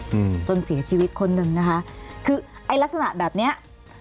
อืมจนเสียชีวิตคนหนึ่งนะคะคือไอ้ลักษณะแบบเนี้ย